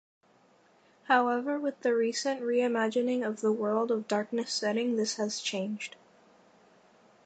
However, with the recent re-imagining of the World of Darkness setting, this has changed.